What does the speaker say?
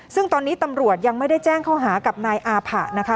ซึ่งตอนนี้ตำรวจยังไม่ได้แจ้งข้อหากับนายอาผะนะคะ